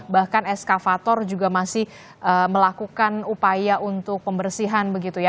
bahkan eskavator juga masih melakukan upaya untuk pembersihan